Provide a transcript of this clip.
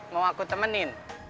mau aku temenin